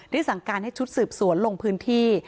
สั่งการให้ชุดสืบสวนลงพื้นที่